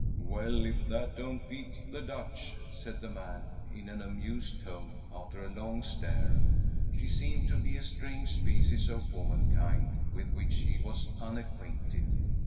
"Well, if that don't beat the Dutch," said the man, in an amused tone, after a long stare. She seemed to be a strange species of womankind, with which he was unacquainted.